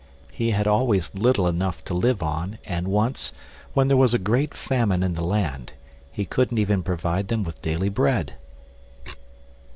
He had always little enough to live on, and once, when there was a great famine in the land, he couldn't even provide them with daily bread.